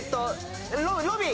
ロビー！